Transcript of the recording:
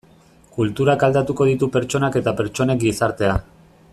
Kulturak aldatuko ditu pertsonak eta pertsonek gizartea.